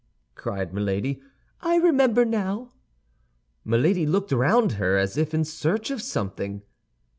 cried Milady. "I remember now." Milady looked around her, as if in search of something.